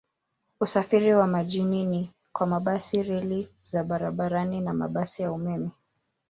Usafiri wa mjini ni kwa mabasi, reli za barabarani na mabasi ya umeme.